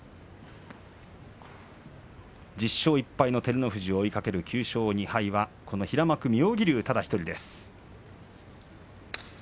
１０勝１敗の照ノ富士を追いかける９勝２敗は平幕妙義龍ただ１人です。